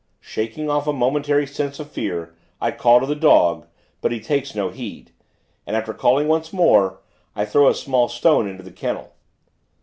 Shaking off a momentary sense of fear, I call to the dog; but he takes no heed, and, after calling once more, I throw a small stone into the kennel.